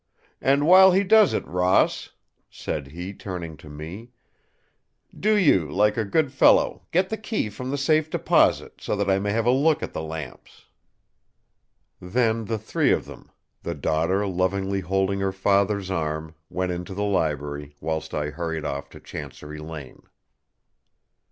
And while he does it, Ross," said he, turning to me, "do you, like a good fellow, get the key from the safe deposit, so that I may have a look at the lamps!" Then the three of them, the daughter lovingly holding her father's arm, went into the library, whilst I hurried off to Chancery Lane.